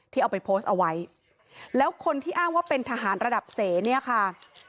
เอาไปโพสต์เอาไว้แล้วคนที่อ้างว่าเป็นทหารระดับเสเนี่ยค่ะ